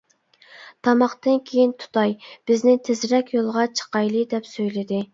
تاماقتىن كېيىن تۇتاي بىزنى تېزرەك يولغا چىقايلى دەپ سۈيلىدى.